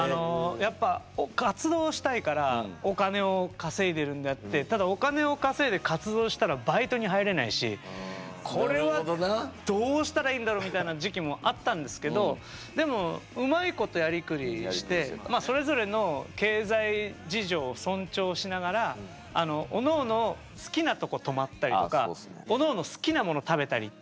やっぱ活動したいからお金を稼いでるんであってただお金を稼いで活動したらバイトに入れないしこれはどうしたらいいんだろうみたいな時期もあったんですけどでもうまいことやりくりしてそれぞれの経済事情を尊重しながらおのおの好きなとこ泊まったりとかおのおの好きなもの食べたりっていう。